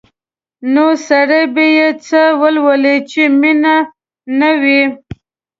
نو سړی به یې څه ولولي چې مینه نه وي؟